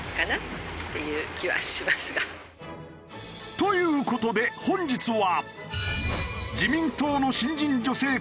という事で本日は。